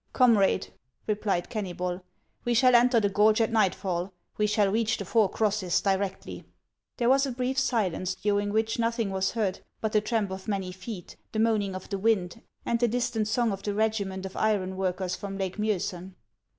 " Comrade," replied Kennybol, " we shall enter the gorge at nightfall ; we shall reach the Four Crosses directly." There was a brief silence, during which nothing wa.s 378 HANS OF ICELAND. heard but the tramp of many feet, the moaning of the wind, and the distant song of the regiment of iron workers from Lake Mio'sen.